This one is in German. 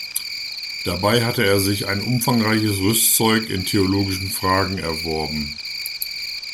Dabei hatte er sich ein umfangreiches Rüstzeug in theologischen Fragen erworben.